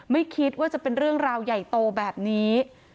ไม่คิดว่าจะเป็นเรื่องราวใหญ่โตแบบนี้